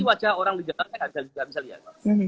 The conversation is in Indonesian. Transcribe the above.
wajah orang di jalan saya tidak bisa lihat